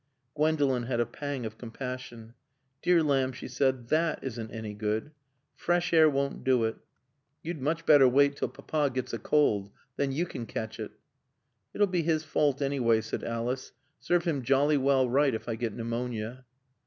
Gwendolen had a pang of compassion. "Dear lamb," she said. "That isn't any good. Fresh air won't do it. You'd much better wait till Papa gets a cold. Then you can catch it." "It'll be his fault anyway," said Alice. "Serve him jolly well right if I get pneumonia."